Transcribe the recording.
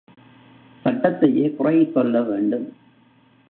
சட்டத்தையே குறை சொல்லவேண்டும்.